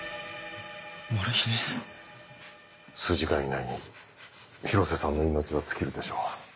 数時間以内に広瀬さんの命は尽きるでしょう。